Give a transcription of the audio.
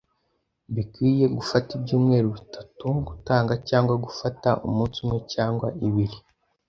Bikwiye gufata ibyumweru bitatu, gutanga cyangwa gufata umunsi umwe cyangwa ibiri.